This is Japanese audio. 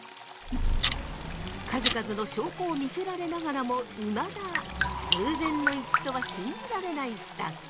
数々の証拠を見せられながらもいまだ偶然の一致とは信じられないスタッフ。